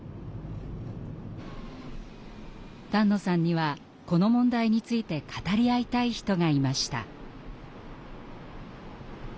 丹野さんにはこの問題について語り合いたい人がいました。